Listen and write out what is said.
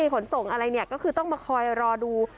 ขนส่งอะไรเนี่ยก็คือต้องมาคอยรอดู